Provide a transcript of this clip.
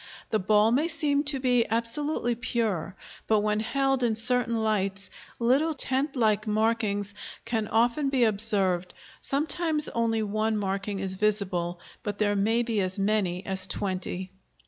The ball may seem to be absolutely pure, but when held in certain lights little tent like markings can often be observed; sometimes only one marking is visible, but there may be as many as twenty.